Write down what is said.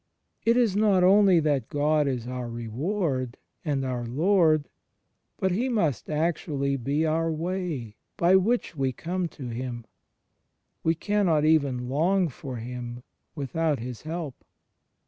It is not only that God is our reward, and our Lord; but He must actually be our Way by which we come to Him: we cannot even long for Him without His help.